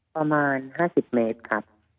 ประมาณ๕๐เมตรครับ